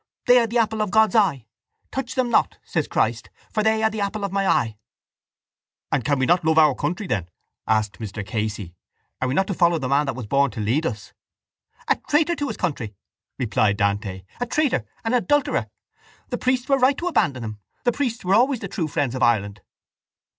They are the apple of God's eye. Touch them not, says Christ, for they are the apple of My eye. —And can we not love our country then? asked Mr Casey. Are we not to follow the man that was born to lead us? —A traitor to his country! replied Dante. A traitor, an adulterer! The priests were right to abandon him. The priests were always the true friends of Ireland.